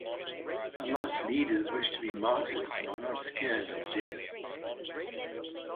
Hamas leaders wish to be martyrs and are not scared of death.